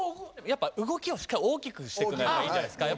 やっぱ動きをしっかり大きくしてくのがやっぱいいんじゃないですか？